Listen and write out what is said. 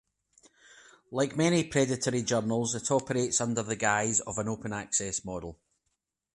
Like many predatory journals it operates under the guise of an Open access model.